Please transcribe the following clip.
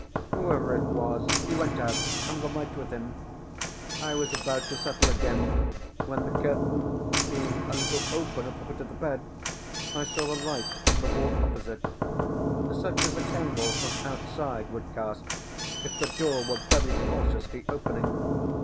Whoever it was, he went out and the light with him. I was about to settle again, when, the curtain being a little open at the foot of the bed, I saw a light on the wall opposite; such as a candle from outside would cast if the door were very cautiously opening.